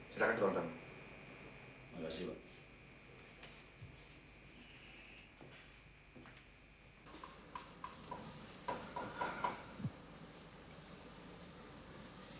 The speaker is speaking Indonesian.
silakan turun tamu